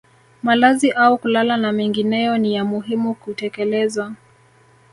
Malazi au kulala na mengineyo ni ya muhimu kutekelezwa